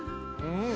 うん！